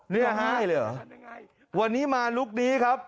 นี่ฮะวันนี้มาลุกนี้ครับ